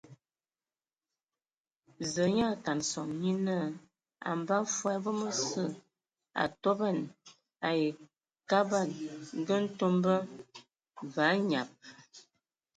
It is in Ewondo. Zǝǝ nyaa a kana sɔŋ, nye naa a mbaa fɔɔ e vom osǝ a atoban ai Kabad ngǝ Ntomba, və anyab.